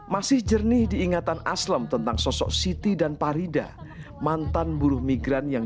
masih jernih diingatan aslem tentang sosok siti dan parida mantan buruh migran yang